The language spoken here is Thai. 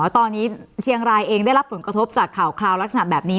ตอนนี้เชียงรายเองได้รับผลกระทบจากข่าวคราวลักษณะแบบนี้